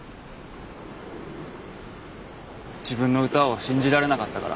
自分の歌を信じられなかったから。